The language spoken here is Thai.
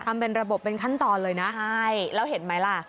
ทำเป็นระบบเป็นขั้นตอนเลยนะใช่แล้วเห็นไหมล่ะ